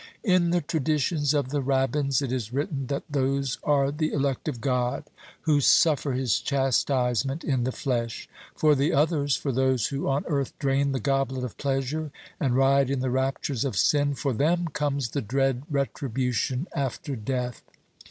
In the traditions of the Rabbins it is written that those are the elect of God who suffer His chastisement in the flesh. For the others, for those who on earth drain the goblet of pleasure, and riot in the raptures of sin, for them comes the dread retribution after death.